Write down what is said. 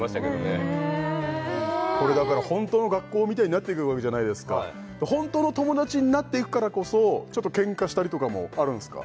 ええこれだからホントの学校みたいになっていくわけじゃないですかホントの友達になっていくからこそちょっとケンカしたりとかもあるんすか？